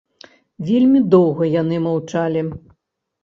Вельмі доўга яны маўчалі.